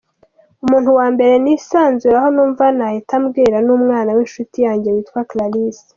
Umuntu wa mbere nisanzuraho numva nahita mbwira ni umwana winshuti yanjye witwa Clarisse.